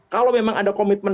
kalau memang ada komitmen